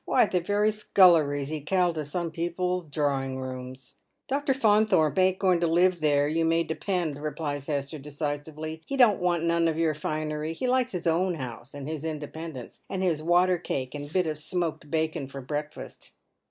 Why, the very scullery's ekal to some people's drawling rooms 1 "" Dr. Faunthorpe ain't going to live there, you may depend," replies Hester, decisively. "He don't want none of your finery. He likes his own house and his independence, and his water cake and bit of smoked bacon for breakfast."